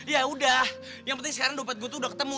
ya udah yang penting sekarang dompet gue tuh udah ketemu